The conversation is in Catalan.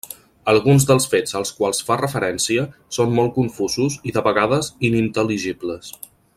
Alguns dels fets als quals fa referència són molt confusos i de vegades inintel·ligibles.